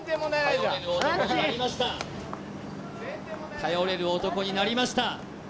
頼れる男になりました